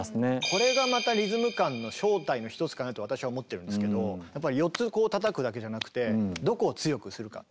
これがまたリズム感の正体の一つかなと私は思ってるんですけど４つこうたたくだけじゃなくてどこを強くするか。